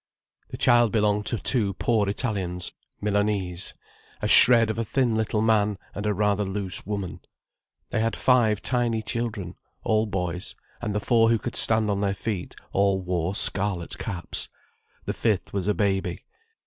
The child belonged to two poor Italians—Milanese—a shred of a thin little man, and a rather loose woman. They had five tiny children, all boys: and the four who could stand on their feet all wore scarlet caps. The fifth was a baby.